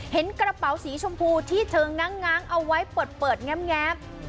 เห็นกระเป๋าสีชมพูที่เชิงง้างเอาไว้เปิดแง้ม